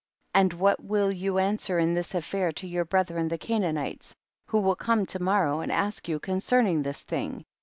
and what will you an swer in this affair to your brethren the Canaanites, who will come to morrow and ask you concerning this thing